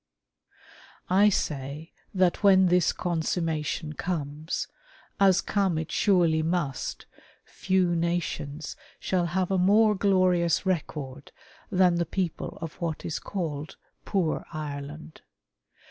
I say that when this consummation comes, as come it surely must, few nations shall have a more glorious record than the people of what is cidled "poor Ireland."